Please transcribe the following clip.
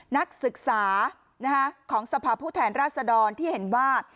นักศึกษาของสภาพผู้แทนราชดรที่เห็นว่า